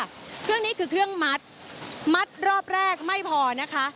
เครื่องนี้คือเครื่องมัดมัดรอบแรกไม่พอนะคะ